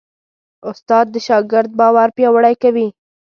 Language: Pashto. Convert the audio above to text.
استاد د شاګرد باور پیاوړی کوي.